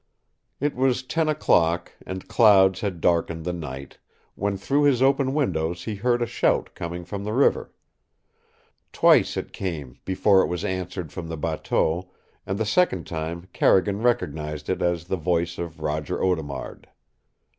It was ten o'clock, and clouds had darkened the night, when through his open windows he heard a shout coming from the river. Twice it came before it was answered from the bateau, and the second time Carrigan recognized it as the voice of Roger Audemard.